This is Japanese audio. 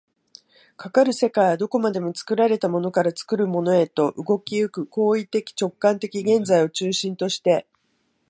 かかる世界はどこまでも作られたものから作るものへと、動き行く行為的直観的現在を中心として、